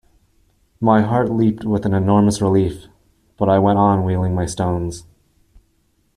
My heart leaped with an enormous relief, but I went on wheeling my stones.